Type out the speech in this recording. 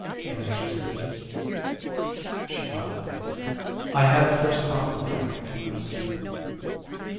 "Initial stages?" She nodded. "I had the first coughing attack a few minutes ago."